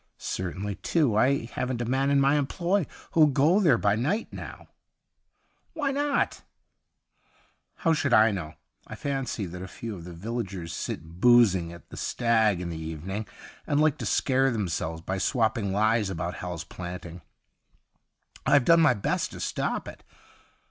Certainly, too, I haven't a man in my employ who'll go there by night now.' ' Why not ?'' How should I know ? I fancy 141 THE UNDYING THING that a few of the villagers sit booz ing at The Stag in the evening, and like to scare themselves by swopping lies about Hal's Planting. I've done my best to stop it.